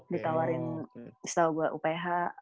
ditawarin setau gue uph